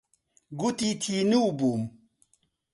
گوتی تینوو بووم.